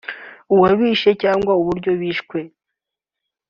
uwabishe cyangwa uburyo bishwe